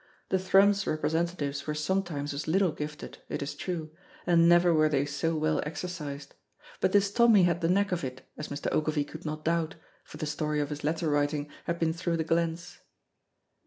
The Thrums representatives were sometimes as little gifted, it is true, and never were they so well exercised, but this Tommy had the knack of it, as Mr. Ogilvy could not doubt, for the story of his letter writing had been through the glens.